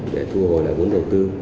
để thu hồi lại vốn đầu tư